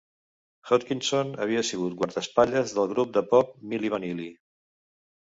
Hodgkinson havia sigut guardaespatlles del grup de pop Milli Vanilli.